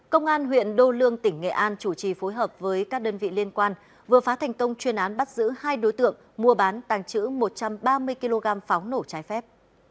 công an huyện đô lương tỉnh nghệ an chủ trì phối hợp với các đơn vị liên quan vừa phá thành công chuyên án bắt giữ hai đối tượng mua bán tàng trữ một trăm ba mươi kg pháo nổ trái phép